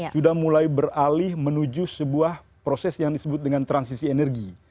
sudah mulai beralih menuju sebuah proses yang disebut dengan transisi energi